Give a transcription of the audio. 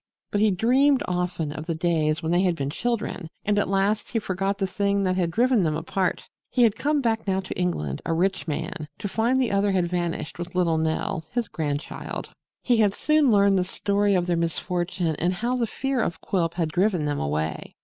But he dreamed often of the days when they had been children and at last he forgot the thing that had driven them apart. He had come back now to England, a rich man, to find the other had vanished with little Nell, his grandchild. He had soon learned the story of their misfortune and how the fear of Quilp had driven them away.